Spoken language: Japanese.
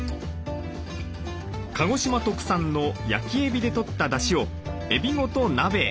鹿児島特産の焼きえびでとっただしをえびごと鍋へ。